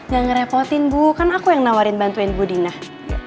yang ngerepotin bu kan aku yang nawarin bantuin bu dina